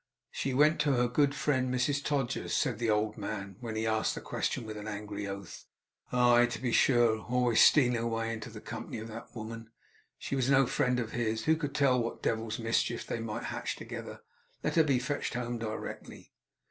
'She went to her good friend, Mrs Todgers,' said the old man, when he asked the question with an angry oath. Aye! To be sure! Always stealing away into the company of that woman. She was no friend of his. Who could tell what devil's mischief they might hatch together! Let her be fetched home directly.